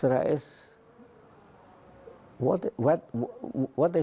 apa apa yang mereka katakan